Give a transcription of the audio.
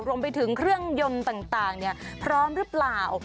รวมไปถึงเครื่องยนต์ต่างพร้อมหรือเปล่า